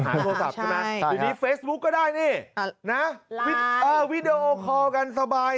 หาโทรศัพท์ใช่ไหมทีนี้เฟซบุ๊คก็ได้นี่วีดีโอคอล์กันสบาย